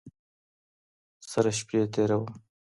ســـره شپـــــې تېــروم